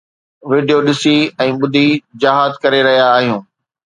video ڏسي ۽ ٻڌي جهاد ڪري رهيا آهيو